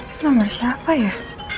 ini nomer siapa ya